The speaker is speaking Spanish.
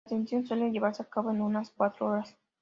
La ascensión suele llevarse a cabo en unas cuatro horas.